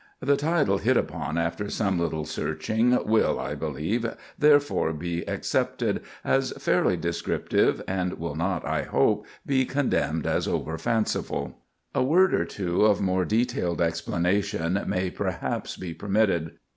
The title, hit upon after some little searching, will, I believe, therefore be accepted as fairly descriptive, and will not, I hope, be condemned as overfanciful. A word or two of more detailed explanation may, perhaps, be permitted.